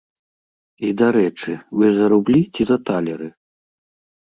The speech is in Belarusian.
І дарэчы, вы за рублі ці за талеры?